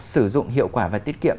sử dụng hiệu quả và tiết kiệm